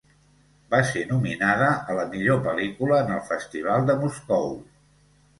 Va ser nominada a la millor pel·lícula en el Festival de Moscou.